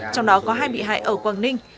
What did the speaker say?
trong đó có hai bị hại ở quảng ninh